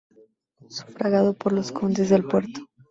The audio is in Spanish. Sufragado por los condes del Puerto.